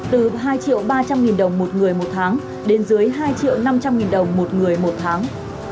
từ hai triệu ba trăm linh nghìn đồng một người một tháng đến dưới hai triệu năm trăm linh nghìn đồng một người một tháng